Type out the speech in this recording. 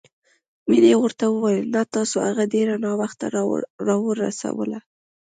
مينې ورته وويل نه، تاسو هغه ډېره ناوخته راورسوله.